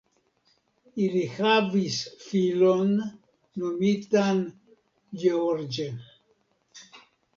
Ili havis filon nomitan Gheorghe.